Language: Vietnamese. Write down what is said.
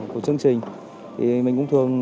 của chương trình thì mình cũng thường